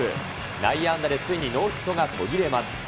内野安打でついにノーヒットが途切れます。